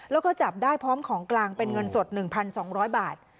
แล้วก็จับได้พร้อมของกลางเป็นเงินสด๑๒๐๐บาท